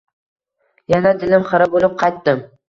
Yana dilim xira boʻlib qaytdim.